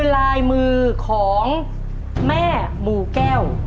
ลายมือของแม่หมู่แก้ว